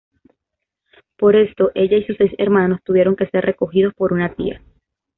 Por esto, ella y sus seis hermanos tuvieron que ser recogidos por una tía.